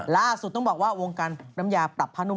ล่าสุดต้องบอกว่าวงการน้ำยาปรับผ้านุ่ม